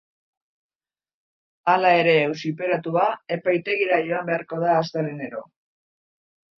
Hala ere, auziperatua epaitegira joan beharko da astelehenero.